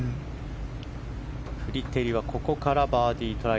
フリテリはここからバーディートライ。